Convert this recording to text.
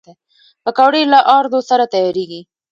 پکورې له آردو سره تیارېږي